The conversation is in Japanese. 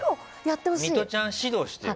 ミトちゃん、指導してよ。